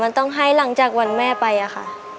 มันต้องให้หลังจากวันแม่ไปอะค่ะ